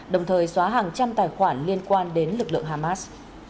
đồng thời xóa hàng trăm tài khoản liên quan đến lực lượng hamas